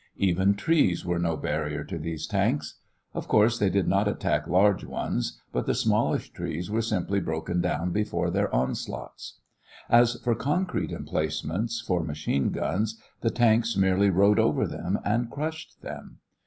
Even trees were no barrier to these tanks. Of course they did not attack large ones, but the smallish trees were simply broken down before their onslaughts. As for concrete emplacements for machine guns, the tanks merely rode over them and crushed them.